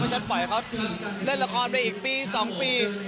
เพราะฉันปล่อยให้เขาเล่นละครไปอีกปีสองปี